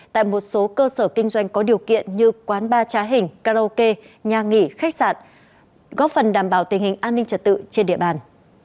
tại một số cơ sở kinh doanh có điều kiện như quán ba trá hình karaoke nhà nghỉ khách sạn góp phần đảm bảo tình hình an ninh trật tự trên địa bàn